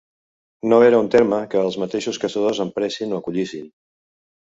No era un terme que els mateixos caçadors empressin o acollissin.